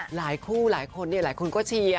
หลายคู่หลายคนหลายคนก็เชียร์